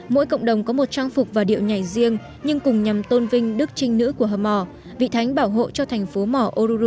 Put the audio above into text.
mỗi cộng đồng có một trang phục và điệu nhảy riêng nhưng cùng nhằm tôn vinh đức trinh nữ của hầm mò vị thánh bảo hộ cho thành phố mỏ oruro